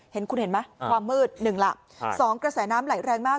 เห็นคุณเห็นไหมความมืดหนึ่งล่ะ๒กระแสน้ำไหลแรงมาก